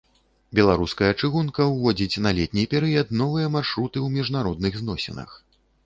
Беларуская чыгунка ўводзіць на летні перыяд новыя маршруты ў міжнародных зносінах.